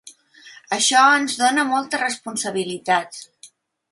Això ens dóna molta responsabilitat.